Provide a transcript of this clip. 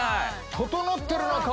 整ってるな顔！